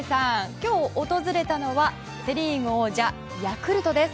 今日、訪れたのはセ・リーグ王者ヤクルトです。